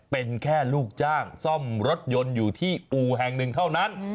เป็นแค่ลูกจ้างซ่อมรถยนต์อยู่ที่อู่แห่งหนึ่งเท่านั้น